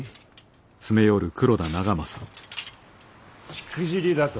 しくじりだと？